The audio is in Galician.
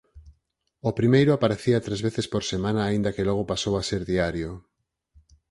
Ao primeiro aparecía tres veces por semana aínda que logo pasou a ser diario.